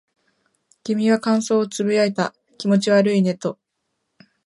君は感想を呟いた。気持ち悪いねと。